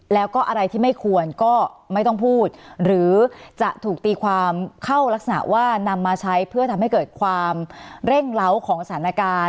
แล้วก็อะไรที่ไม่ควรก็ไม่ต้องพูดหรือจะถูกตีความเข้ารักษณะว่านำมาใช้เพื่อทำให้เกิดความเร่งเล้าของสถานการณ์